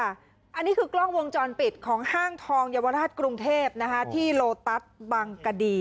อันนี้คือกล้องวงจรปิดของห้างทองเยาวราชกรุงเทพที่โลตัสบังกดี